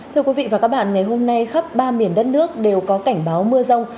thưa quý vị và các bạn ngày hôm nay khắp ba miền đất nước đều có cảnh báo mưa rông